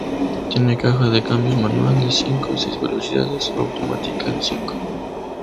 Tiene caja de cambios manual de cinco y seis velocidades o automática de cinco.